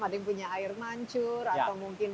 ada yang punya air mancur atau mungkin